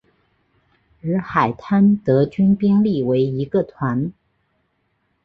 而海滩德军兵力为一个团。